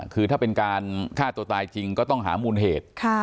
คือถ้าเป็นการฆ่าตัวตายจริงก็ต้องหามูลเหตุ